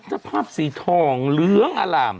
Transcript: สภาพสีทองเหลืองอล่าม